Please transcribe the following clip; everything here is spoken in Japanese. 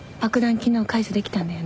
昨日解除できたんだよね？